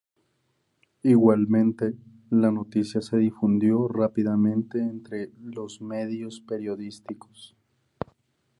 Igualmente, la noticia se difundió rápidamente entre los medios periodísticos.